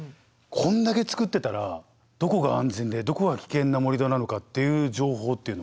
こんだけつくってたらどこが安全でどこが危険な盛り土なのかっていう情報っていうのは？